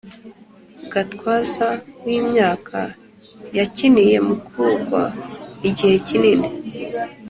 gatwaza w’imyaka yakiniye mukugwa igihe kinini